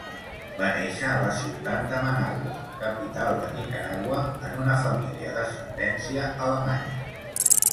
Va néixer a la ciutat de Managua, capital de Nicaragua, en una família d'ascendència alemanya.